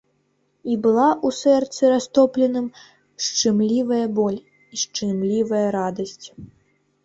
І была ў сэрцы растопленым шчымлівая боль і шчымлівая радасць.